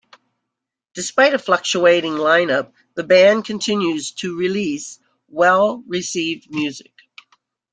Despite a fluctuating line-up, the band continues to release well-received music.